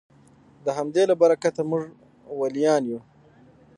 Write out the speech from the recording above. د همدې له برکته موږ ولیان یو